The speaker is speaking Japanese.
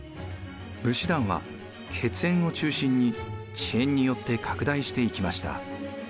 武士団は血縁を中心に地縁によって拡大していきました。